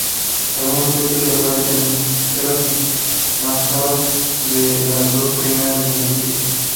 Algunos textos ya aparecen en estelas y mastabas de las dos primeras dinastías.